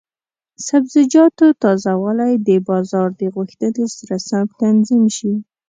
د سبزیجاتو تازه والی د بازار د غوښتنې سره سم تنظیم شي.